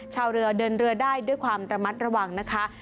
ชาวเรือเดินเรือได้ด้วยความระมัดระวังนะคะ